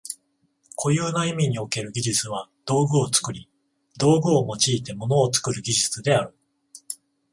固有な意味における技術は道具を作り、道具を用いて物を作る技術である。